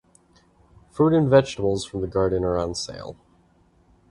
Fruit and vegetables from the garden are on sale.